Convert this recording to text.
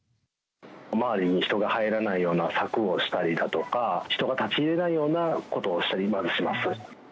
周りに人が入らないような柵をしたりだとか人が立ち入れないようなことをしたりします。